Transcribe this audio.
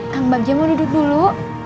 kang bagja mau duduk dulu